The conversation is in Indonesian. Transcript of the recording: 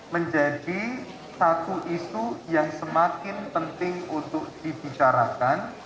menjadi satu isu yang semakin penting untuk dibicarakan